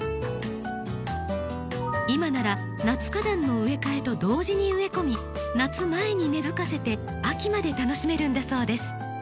今なら夏花壇の植え替えと同時に植え込み夏前に根づかせて秋まで楽しめるんだそうです。